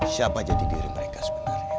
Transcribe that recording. siapa jadi diri mereka sebenarnya